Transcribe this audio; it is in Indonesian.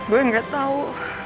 gue gak tau